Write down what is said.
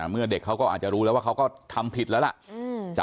เมื่อเด็กเขาก็อาจจะรู้แล้วว่าเขาก็ทำผิดแล้วล่ะ